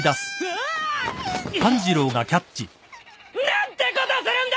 何てことするんだ！